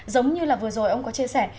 giống như là vừa rồi ông có chia sẻ